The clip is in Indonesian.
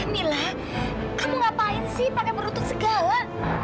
mila kamu ngapain sih pakai merutut segala